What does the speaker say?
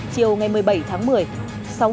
chiều ngày một mươi bảy tháng một mươi